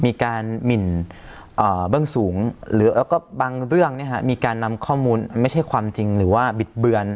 มีการหมิ่นอ่าเบื้องสูงหรือแล้วก็บางเรื่องเนี้ยค่ะมีการนำข้อมูลไม่ใช่ความจริงหรือว่าบิดเบือน